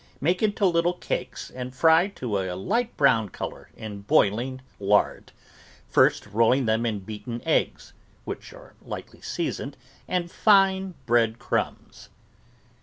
Make into little cakes and fry to a light brown color in boiling lard, first rolling them in beaten eggs (which are lightly seasoned) and fine bread crumbs.